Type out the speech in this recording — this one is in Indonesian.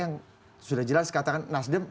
yang sudah jelas katakan nasdem